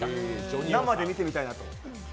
生で見てみたいなと。